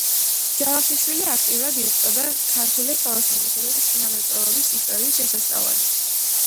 ჯავახიშვილი აქტიურად იღვწოდა ქართული ხელოსნობისა და შინამრეწველობის ისტორიის შესასწავლად.